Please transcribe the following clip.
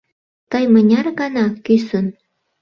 Тый мыняр гана кӱсын